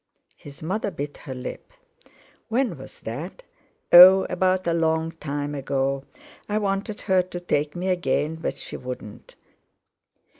His mother bit her lip. "When was that?" "Oh! about—a long time ago—I wanted her to take me again, but she wouldn't.